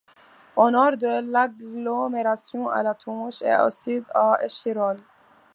Au nord de l'agglomération à La Tronche, et au sud à Échirolles.